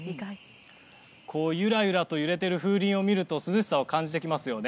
ゆらゆらと揺れている風鈴を見ると涼しさを感じてきますよね。